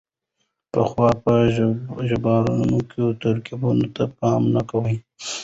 پخوا به ژباړونکو ترکيبونو ته پام نه کاوه.